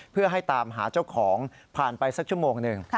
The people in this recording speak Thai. เพื่อให้ตามหาเจ้าของผ่านไปสักชั่วโมงหนึ่ง